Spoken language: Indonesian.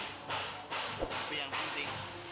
tapi yang penting